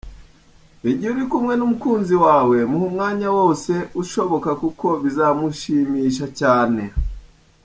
Igihe uri kumwe n’umukunzi wawe muhe umwanya wose ushoboka kuko bizamushimisha cyane.